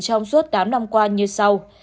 trong suốt tám năm qua như sau